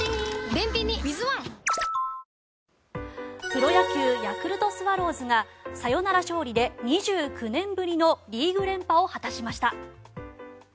プロ野球ヤクルトスワローズがサヨナラ勝利で２９年ぶりのリーグ連覇を果たしました。